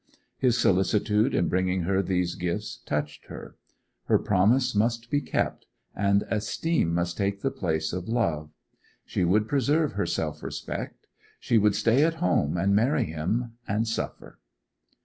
His solicitude in bringing her these gifts touched her; her promise must be kept, and esteem must take the place of love. She would preserve her self respect. She would stay at home, and marry him, and suffer.